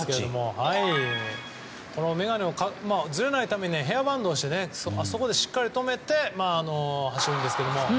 眼鏡がずれないためにヘアバンドをしてそこでしっかり留めて走るんですけども。